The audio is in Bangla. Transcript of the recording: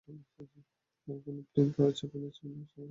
তাও কোনো প্রিন্ট করা ছবি নয়, ছবি নেওয়ার জন্য অনলাইন অ্যাকসেস।